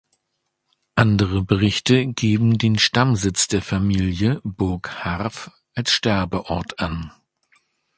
Andere Berichte geben den Stammsitz der Familie Burg Harff als Sterbeort an.